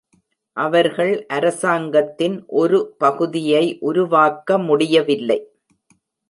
அவர்கள் அரசாங்கத்தின் ஒரு பகுதியை உருவாக்க முடியவில்லை.